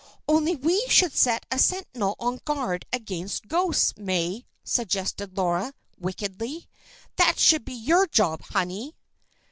"Only we should set a sentinel on guard against ghosts, May," suggested Laura, wickedly. "That should be your job, honey."